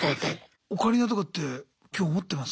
オカリナとかって今日持ってます？